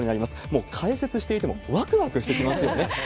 もう解説していてもわくわくしてきますよね。